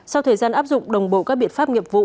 sau thời gian áp dụng đồng bộ các biện pháp nghiệp vụ